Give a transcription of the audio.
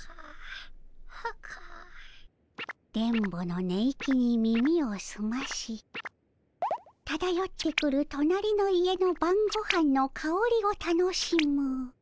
電ボの寝息に耳をすましただよってくるとなりの家のばんごはんのかおりを楽しむ。